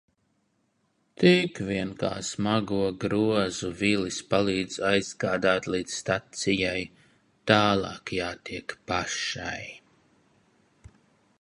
Tik vien kā smago grozu Vilis palīdz aizgādāt līdz stacijai, tālāk jātiek pašai.